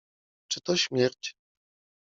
Czy to śmierć?